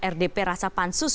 rdp rasa pansus